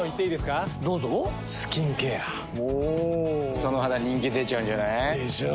その肌人気出ちゃうんじゃない？でしょう。